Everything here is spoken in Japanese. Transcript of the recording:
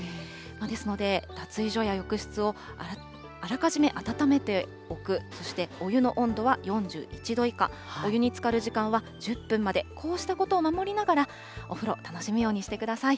ですので、脱衣所や浴室をあらかじめ暖めておく、そしてお湯の温度は４１度以下、お湯につかる時間は１０分まで、こうしたことを守りながら、お風呂、楽しむようにしてください。